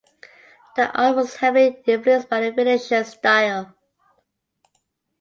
The art was heavily influenced by the Venetian style.